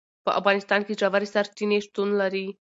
په افغانستان کې ژورې سرچینې شتون لري.